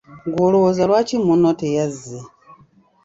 Ggwe olowooza lwaki munno teyazze?